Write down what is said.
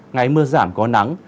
ngày mưa giảm có nắng